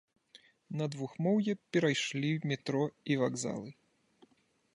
На двухмоўе перайшлі метро і вакзалы.